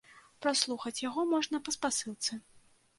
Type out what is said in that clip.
Праслухаць яго можна па спасылцы.